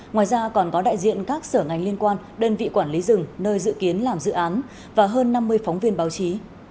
ngoài ra còn có đại diện các sở ngành liên quan đơn vị quản lý rừng nơi dự kiến làm dự án và hơn năm mươi phóng viên báo chí